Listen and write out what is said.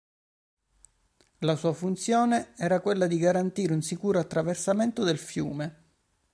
La sua funzione era quella di garantire un sicuro attraversamento del fiume.